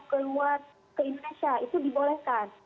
keluar ke indonesia itu dibolehkan